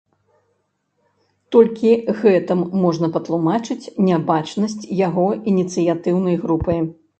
Толькі гэтым можна патлумачыць нябачнасць яго ініцыятыўнай групы.